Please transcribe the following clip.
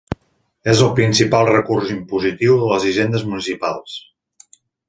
És el principal recurs impositiu de les hisendes municipals.